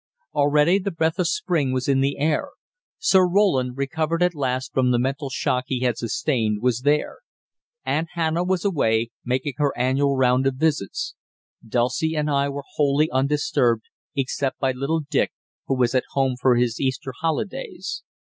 Already the breath of spring was in the air. Sir Roland, recovered at last from the mental shock he had sustained, was there. Aunt Hannah was away, making her annual round of visits. Dulcie and I were wholly undisturbed, except by little Dick, who was at home for his Easter holidays.